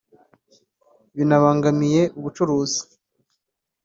binabangamiye ubucuruzi